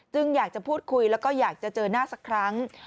อยากจะพูดคุยแล้วก็อยากจะเจอหน้าสักครั้ง